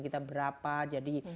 kita berapa jadi